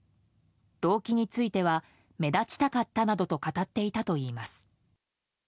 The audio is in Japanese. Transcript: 動機については目立ちたかったなどと語っていたといいます。